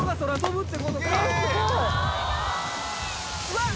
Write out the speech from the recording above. うわっ！